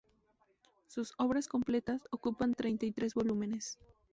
Sus "Obras completas" ocupan treinta y tres volúmenes.